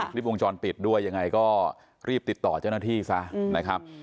คลิปวงจรปิดด้วยยังไงก็รีบติดต่อเจ้าหน้าที่ซะนะครับ